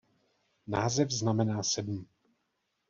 Název znamená "sedm".